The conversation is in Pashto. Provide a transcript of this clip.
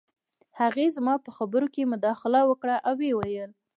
هغې زما په خبرو کې مداخله وکړه او وویې ویل